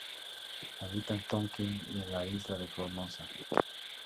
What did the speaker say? Habita en Tonkin y en la isla de Formosa.